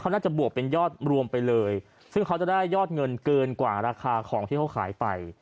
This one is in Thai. น่าจะบวกเป็นยอดรวมไปเลยซึ่งเขาจะได้ยอดเงินเกินกว่าราคาของที่เขาขายไป